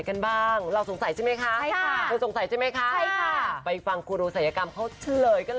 เขาเรียกว่าอะไรมีความผูกพันกับการสัยกรรม